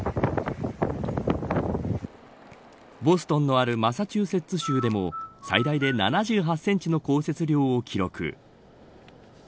ボストンのあるマサチューセッツ州でも最大で７８センチの降雪量を記録。